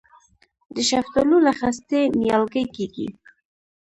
د شفتالو له خستې نیالګی کیږي؟